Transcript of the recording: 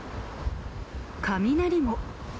雷も。